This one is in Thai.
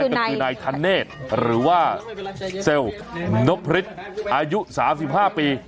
นั่นก็คือนายทัเนธหรือว่าเซลล์นกพริษอายุ๓๕ปี